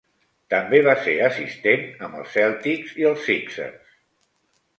També va ser assistent amb els Celtics i els Sixers.